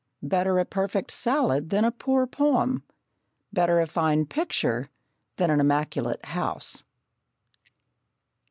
Better a perfect salad than a poor poem; better a fine picture than an immaculate house.